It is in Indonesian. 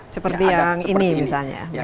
seperti yang ini misalnya